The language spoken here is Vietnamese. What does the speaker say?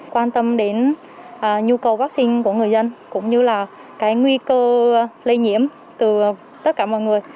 quan tâm đến nhu cầu vaccine của người dân cũng như là cái nguy cơ lây nhiễm từ tất cả mọi người